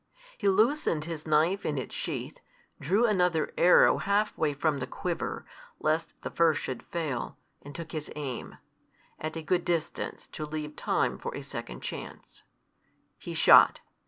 He loosened his knife in its sheath, drew another arrow half way from the quiver, lest the first should fail, and took his aim at a good distance, to leave time for a second chance. He shot.